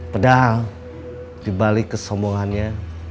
padahal dibalik kesombongannya